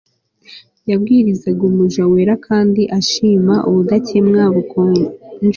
Yabwirizaga umuja wera kandi ashima ubudakemwa bukonje